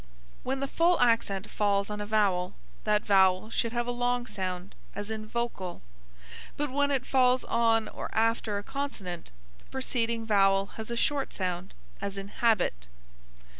When the full accent falls on a vowel, that vowel should have a long sound, as in vo'cal; but when it falls on or after a consonant, the preceding vowel has a short sound, as in hab'it.